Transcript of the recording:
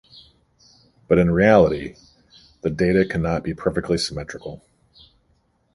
But in reality, the data cannot be perfectly symmetrical.